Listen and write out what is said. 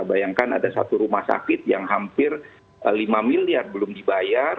bayangkan ada satu rumah sakit yang hampir lima miliar belum dibayar